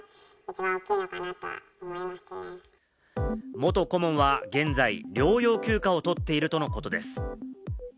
元顧問は現在、療養休暇を取っているとのことです。